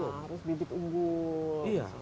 iya harus bibit unggul iya